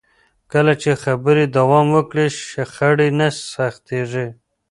کله چې خبرې دوام وکړي، شخړې نه سختېږي.